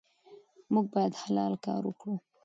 موږ باید حلال کار وکړو.